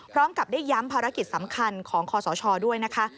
พร้อมกับได้ย้ำภารกิจสำคัญของคอสชด้วยนะคะ